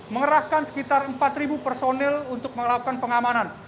mengerahkan sekitar empat personil untuk melakukan pengamanan